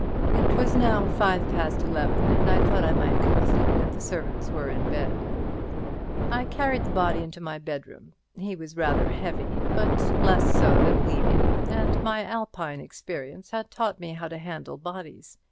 It was now five past eleven, and I thought I might conclude that the servants were in bed. I carried the body into my bedroom. He was rather heavy, but less so than Levy, and my Alpine experience had taught me how to handle bodies.